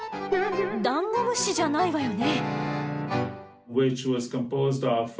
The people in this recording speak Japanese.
ダンゴ虫じゃないわよね？